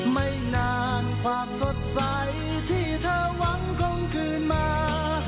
ไม่นานความสดใสที่เธอหวังคงคืนมา